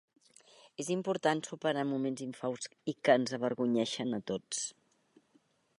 És important superar moments infausts i que ens avergonyeixen a tots.